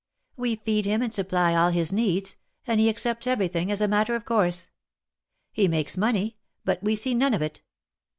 We feed him and supply all his needs, and he accepts every thing as a matter of course. He makes money, but we see none of it."